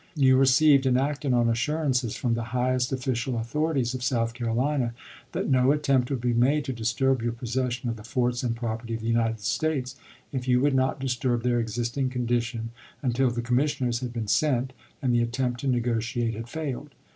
You received and acted on assurances from the highest official authorities of South Carolina, that no attempt would be made to disturb your possession of the forts and property of the United States, if you would not disturb their existing condition until the commissioners had been sent, and the attempt to negotiate had failed.